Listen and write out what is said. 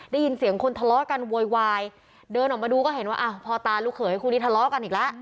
ได้ยินเสียงคนทะเลาะกันโวยวายเดินออกมาดูก็เห็นว่าอ้าวพ่อตาลูกเขยคู่นี้ทะเลาะกันอีกแล้ว